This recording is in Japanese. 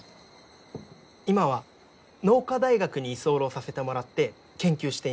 今は農科大学に居候させてもらって研究しています。